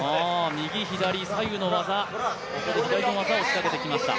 右、左、ここで左の技を仕掛けてきました。